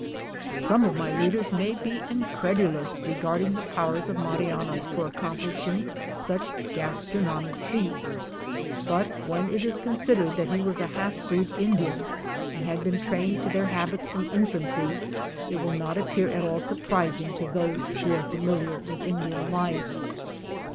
Some of my readers may be incredulous regarding the powers of Mariano for accomplishing such gastronomic feats ; but when it is considered that he was a half breed Indian, and had been trained to their habits from infancy, it will not appear at all surprising to those who are familiar with Indian life. MONTE.